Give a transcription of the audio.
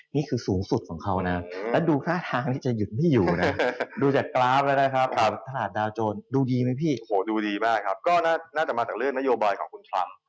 มันจะมาจากเรื่องนโยบายของคุณครัมพ์